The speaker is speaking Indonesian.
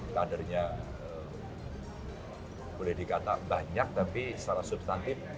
kadernya boleh dikata banyak tapi secara substantif